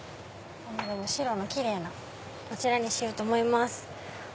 白の奇麗なこちらにしようと思います。